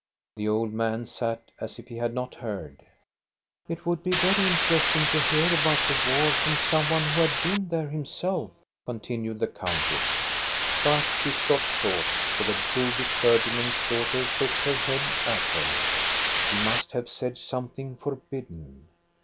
The old man sat as if he had not heard. It would be very interesting to hear about the war from some one who had been there himself," continued the countess; but she stopped short, for the Broby clergyman's daughter shook her head at her. She must have said something forbidden.